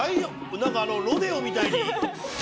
なんかロデオみたいに。